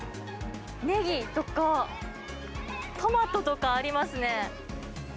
ネギとか、トマトとかありますね。